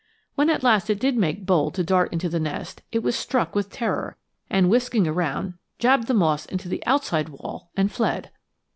When at last it did make bold to dart into the nest it was struck with terror, and, whisking around, jabbed the moss into the outside wall and fled!